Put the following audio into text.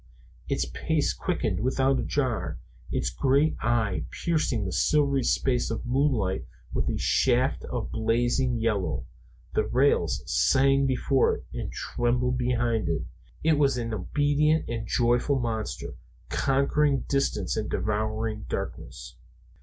Its pace quickened without a jar; its great eye pierced the silvery space of moonlight with a shaft of blazing yellow; the rails sang before it and trembled behind it; it was an obedient and joyful monster, conquering distance and devouring darkness.